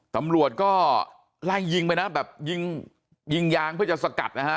ตำรวจก็ไล่ยิงไปนะแบบยิงยิงยางเพื่อจะสกัดนะฮะ